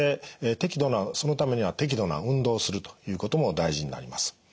そのためには適度な運動をするということも大事になります。